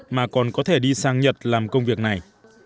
mà còn có thể đi sang nhật làm công việc này